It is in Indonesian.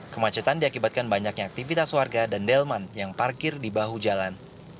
kemacetan diakibatkan banyaknya aktivitas warga dan delman yang parkir di bahu jalan